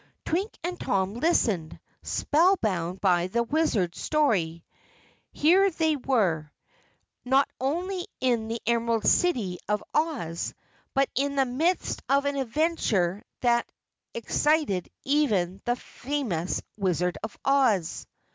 Twink and Tom listened, spellbound by the Wizard's story. Here they were not only in the Emerald City of Oz, but in the midst of an adventure that excited even the famous Wizard of Oz!